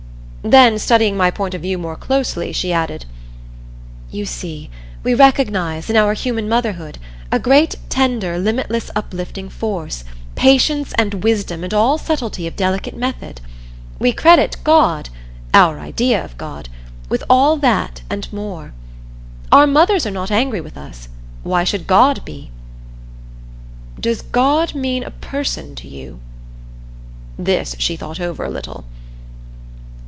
Then studying my point of view more closely, she added: "You see, we recognize, in our human motherhood, a great tender limitless uplifting force patience and wisdom and all subtlety of delicate method. We credit God our idea of God with all that and more. Our mothers are not angry with us why should God be?" "Does God mean a person to you?" This she thought over a little.